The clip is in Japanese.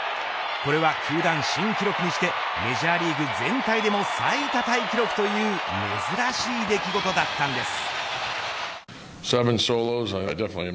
これは球団新記録にしてメジャーリーグ全体でも最多タイ記録という珍しい出来事だったんです。